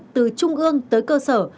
từ trung ương tới cơ sở